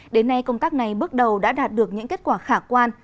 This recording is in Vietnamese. đến nay công tác này bước đầu đã đạt được những kết quả khả quan